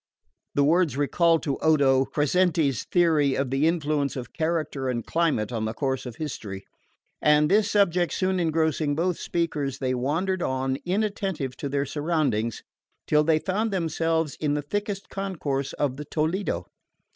The words recalled to Odo Crescenti's theory of the influence of character and climate on the course of history; and this subject soon engrossing both speakers, they wandered on, inattentive to their surroundings, till they found themselves in the thickest concourse of the Toledo.